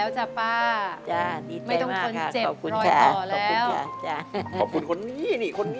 ขอบคุณคนนี้